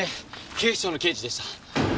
警視庁の刑事でした。